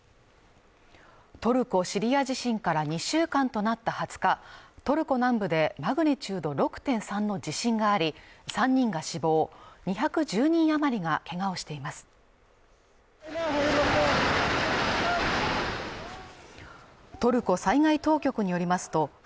トルコ・シリア地震から２週間となった２０日、トルコ南部でマグニチュード６．３の地震があり、３人が死亡、２１０人余りがけがをしています。